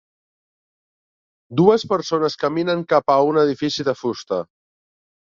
Dues persones caminen cap a un edifici de fusta.